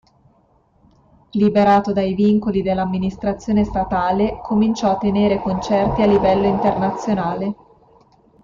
Liberato dai vincoli dell'amministrazione statale, cominciò a tenere concerti a livello internazionale.